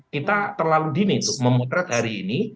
kita terlalu dini memotret hari ini